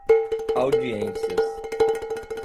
audiências